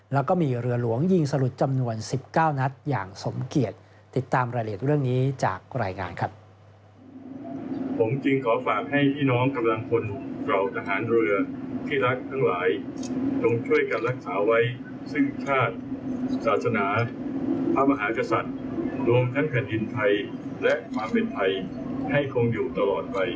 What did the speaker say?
แล้วก็มีเรือหลวงยิงสลุดจำนวน๑๙นัดอย่างสมเกียจติดตามรายละเอียดเรื่องนี้จากรายงานครับ